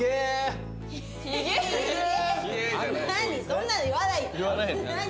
そんなの言わないよ。何？